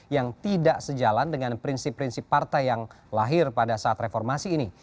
yang tidak sejalan dengan prinsip prinsip partai yang lahir pada saat reformasi ini